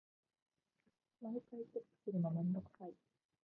毎回チェックするのめんどくさい。